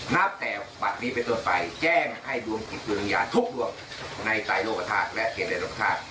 นับแต่บัตรนี้ไปต่อไปแจ้งให้ดวงกิจดุลิงญาณทุกดวงในไตรโลกภาษณ์และเกรดโลกภาษณ์